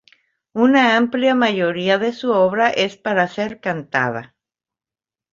Una amplia mayoría de su obra es para ser cantada.